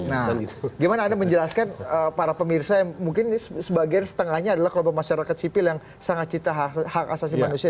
bagaimana anda menjelaskan para pemirsa yang mungkin sebagian setengahnya adalah kalau masyarakat sipil yang sangat cita hak asasi manusia